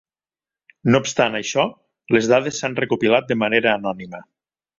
No obstant això, les dades s'han recopilat de manera anònima.